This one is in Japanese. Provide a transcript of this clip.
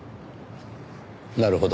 なるほど。